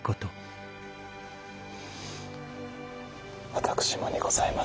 私もにございます上様。